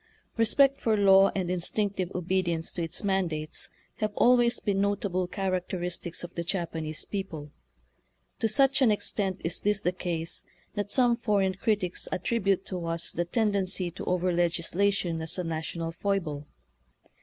Respect for law and instinctive obedi ence to its mandates have always been notable characteristics of the Japanese people. To such an extent is this the case that some foreign critics attribute to us the tendency to over legislation as a national foible.